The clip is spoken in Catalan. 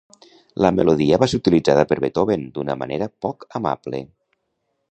La melodia va ser utilitzada per Beethoven d'una manera poc amable.